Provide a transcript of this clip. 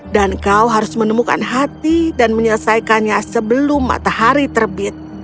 dan kau harus menemukan hati dan menyelesaikannya sebelum matahari terbit